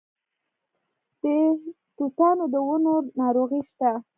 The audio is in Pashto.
د توتانو د ونو ناروغي شته؟